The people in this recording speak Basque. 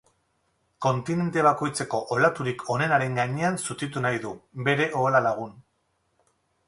Kontinente bakoitzeko olaturik onenaren gainean zutitu nahi du, bere ohola lagun.